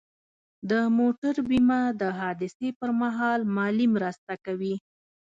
د موټر بیمه د حادثې پر مهال مالي مرسته کوي.